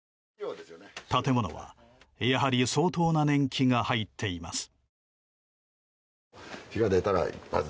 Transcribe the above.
建物は、やはり相当な年季が入っています。